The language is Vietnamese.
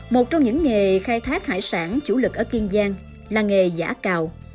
một trong những nghề khai thác hải sản chủ lực ở kiên giang là nghề giả cào